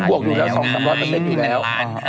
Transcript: มันบวกอยู่แล้ว๒๓๐๐เป็นเม็ดอยู่แล้ว